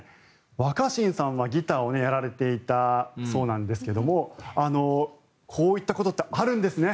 若新さんはギターをやられていたそうなんですがこういったことってあるんですね。